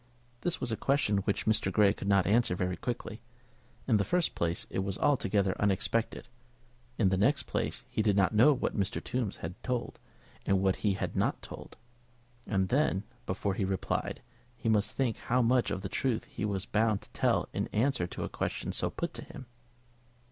This was a question which Mr. Grey could not answer very quickly. In the first place it was altogether unexpected; in the next place he did not know what Mr. Tombe had told, and what he had not told; and then, before he replied, he must think how much of the truth he was bound to tell in answer to a question so put to him.